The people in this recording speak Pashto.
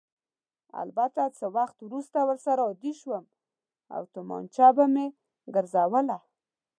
البته څه وخت وروسته ورسره عادي شوم او تومانچه به مې ګرځوله.